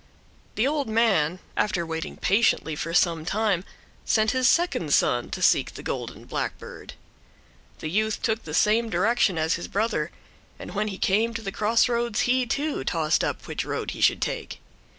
The old man, after waiting patiently for some time, sent his second son to seek the golden blackbird. The youth took the same direction as his brother, and when he came to the crossroads he too tossed up which road he should take.